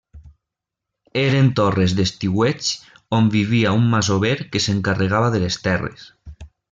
Eren torres d'estiueig on vivia un masover que s'encarregava de les terres.